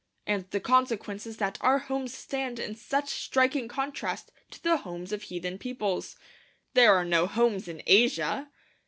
And the consequence is that our homes stand in such striking contrast to the homes of heathen peoples. 'There are no homes in Asia!'